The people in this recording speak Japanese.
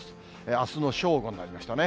あすの正午になりましたね。